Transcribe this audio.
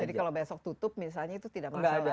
jadi kalau besok tutup misalnya itu tidak masalah